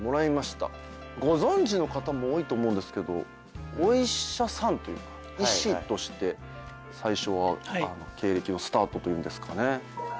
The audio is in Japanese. ご存じの方も多いと思うんですけどお医者さんというか医師として最初は経歴をスタートというんですかね。